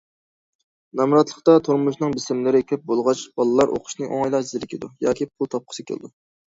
نامراتلىقتا تۇرمۇشىنىڭ بېسىملىرى كۆپ بولغاچ بالىلار ئوقۇشتىن ئوڭايلا زېرىكىدۇ ياكى پۇل تاپقۇسى كېلىدۇ.